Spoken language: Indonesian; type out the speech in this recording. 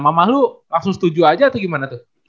mamah lu langsung setuju aja atau gimana tuh